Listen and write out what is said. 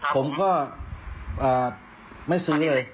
ผมก็ไม่ซื้อเลย